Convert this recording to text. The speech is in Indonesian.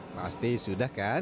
pasti sudah kan